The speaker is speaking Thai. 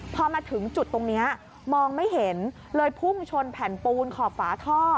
พอมาถึงจุดตรงนี้มองไม่เห็นเลยพุ่งชนแผ่นปูนขอบฝาท่อ